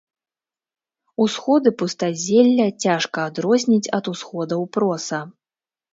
Усходы пустазелля цяжка адрозніць ад усходаў проса.